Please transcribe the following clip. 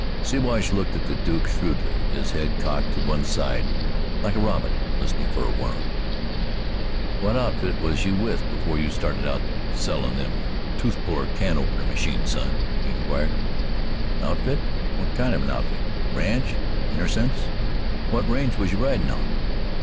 Siwash looked at the Duke shrewdly, his head cocked to one side like a robin listening for a worm. "What outfit was you with before you started out sellin' them tooth puller can opener machines, son?" he inquired. "Outfit? What kind of an outfit?" "Ranch, innercence; what range was you ridin' on?"